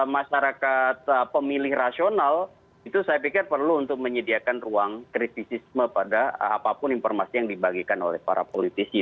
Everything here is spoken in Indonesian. masyarakat pemilih rasional itu saya pikir perlu untuk menyediakan ruang kritisisme pada apapun informasi yang dibagikan oleh para politisi